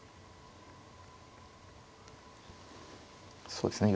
そうですね。